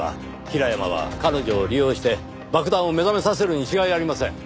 平山は彼女を利用して爆弾を目覚めさせるに違いありません。